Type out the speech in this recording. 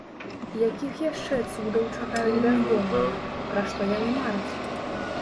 Якіх яшчэ цудаў чакаюць бяздомныя, пра што яны мараць?